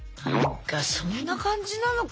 そんな感じなのか？